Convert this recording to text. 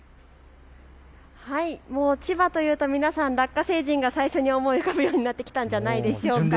千葉というと皆さん、ラッカ星人が最初に思い浮かぶようになってきたのではないでしょうか。